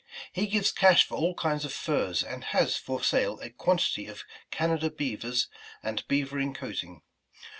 He gives cash for all kinds of Furs and has for sale a quantity of Canada Beavers and Beavering coating.